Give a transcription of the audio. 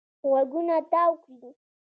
غوږونه تاو کړي.